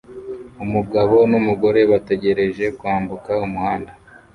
Umugabo numugore bategereje kwambuka umuhanda